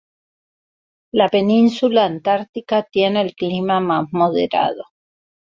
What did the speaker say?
La península Antártica tiene el clima más moderado.